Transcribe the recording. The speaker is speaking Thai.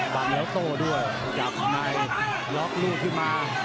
ฟันแล้วโต้ด้วยจับในล็อกลูกขึ้นมา